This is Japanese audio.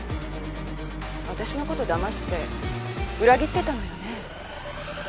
私のこと騙して裏切ってたのよね。